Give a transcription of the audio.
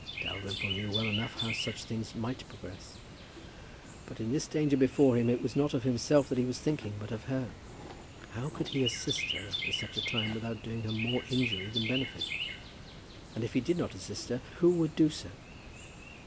Dalrymple knew well enough how such things might progress. But in this danger before him, it was not of himself that he was thinking, but of her. How could he assist her at such a time without doing her more injury than benefit? And, if he did not assist her, who would do so?